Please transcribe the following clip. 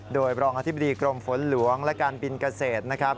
โดยรองอธิบดีกรมฝนหลวงและการบินเกษตรนะครับ